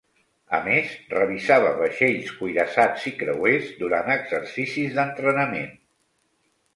A més, revisava vaixells cuirassats i creuers durant exercicis d'entrenament.